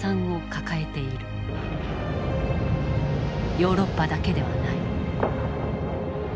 ヨーロッパだけではない。